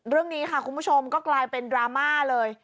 เรื่องนี้ค่ะคุณผู้ชมก็กลายเป็นดราม่าเลย